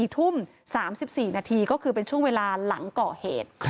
๔ทุ่ม๓๔นาทีก็คือเป็นช่วงเวลาหลังก่อเหตุ